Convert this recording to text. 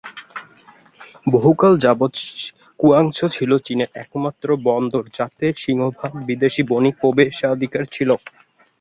বহুকাল যাবৎ কুয়াংচৌ ছিল চীনের একমাত্র বন্দর যাতে সিংহভাগ বিদেশী বণিকদের প্রবেশাধিকার ছিল।